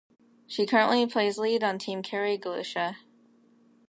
She currently plays lead on Team Kerry Galusha.